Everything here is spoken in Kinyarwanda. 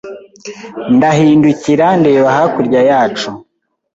ndahindukira ndeba hakurya yacu